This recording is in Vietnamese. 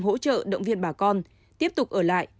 hỗ trợ động viên bà con tiếp tục ở lại